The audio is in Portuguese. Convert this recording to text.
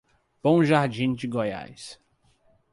Bom Jardim de Goiás